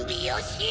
よし